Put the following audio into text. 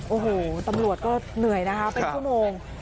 โอ้โหตำรวจก็เหนื่อยนะคะเป็นชั่วโมง